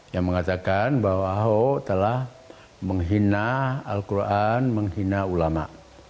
yang mengatakan bahwa ahok telah menghina al quran menghina ulama